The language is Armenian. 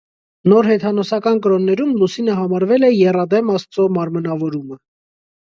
Նորհեթանոսական կրոններում լուսինը համարվել է եռադեմ աստծո մարմնավորումը։